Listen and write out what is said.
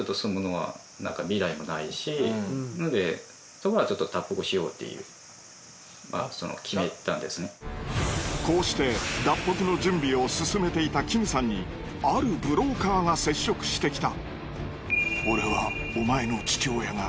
そこからちょっとこうして脱北の準備を進めていたキムさんにあるブローカーが接触してきた。